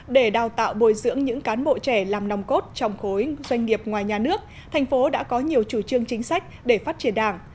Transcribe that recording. để đào tạo bồi dưỡng những cán bộ trẻ làm nòng cốt trong khối doanh nghiệp ngoài nhà nước thành phố đã có nhiều chủ trương chính sách để phát triển đảng